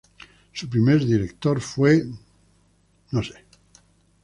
Su primer director fue Dr.